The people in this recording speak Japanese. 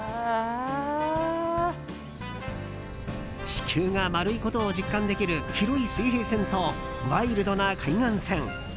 地球が丸いことを実感できる広い水平線とワイルドな海岸線。